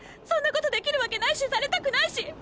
そんなことできるわけないしされたくないし！